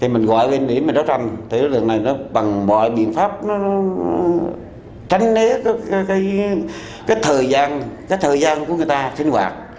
thì mình gọi lên điểm mình đấu tranh thì đối tượng này nó bằng mọi biện pháp nó tránh lấy cái thời gian của người ta sinh hoạt